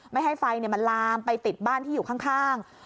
ไม่ให้ไฟมันลามไปติดบ้านที่อยู่ข้าง